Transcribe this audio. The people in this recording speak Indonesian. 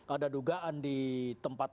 ada dugaan di tempat